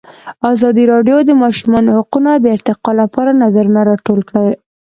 ازادي راډیو د د ماشومانو حقونه د ارتقا لپاره نظرونه راټول کړي.